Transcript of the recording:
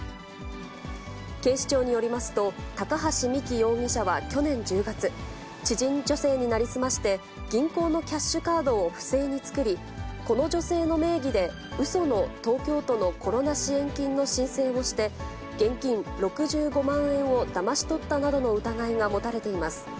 警視庁によりますと、高橋実希容疑者は去年１０月、知人女性に成り済まして、銀行のキャッシュカードを不正に作り、この女性の名義で、うその東京都のコロナ支援金の申請をして、現金６５万円をだまし取ったなどの疑いが持たれています。